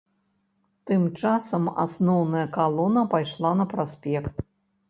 Тым часам асноўная калона пайшла на праспект.